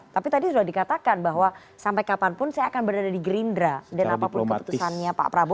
tapi tadi sudah dikatakan bahwa sampai kapanpun saya akan berada di gerindra dan apapun keputusannya pak prabowo